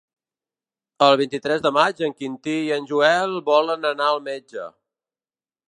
El vint-i-tres de maig en Quintí i en Joel volen anar al metge.